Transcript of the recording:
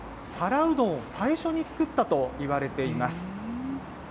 皿うどんを最初に作ったといわれています。